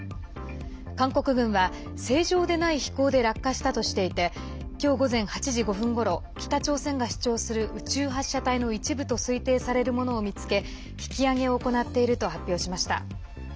韓国軍は正常でない飛行で落下したとしていて今日午前８時５分ごろ北朝鮮が主張する宇宙発射体の一部と推定されるものを見つけ引きあげを行っていると発表しました。